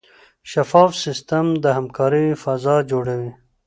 شفاف سیستم د همکارۍ فضا جوړوي.